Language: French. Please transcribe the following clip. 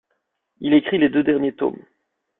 Il écrit les deux derniers tomes.